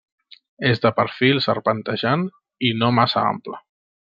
És de perfil serpentejant i no massa ample.